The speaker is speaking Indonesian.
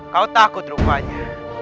kau takut rupanya